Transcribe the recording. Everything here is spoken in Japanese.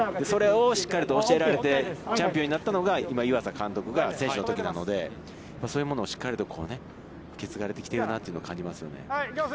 それをしっかりと教えられてチャンピオンになったのが、今湯浅監督が選手のときなのでそういうものをしっかりとこう、受け継がれてきているなと感じますね。